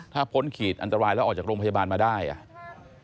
ถ้าพ้นขีดอันตรายแล้วออกจากโรงพยาบาลมาได้อ่ะ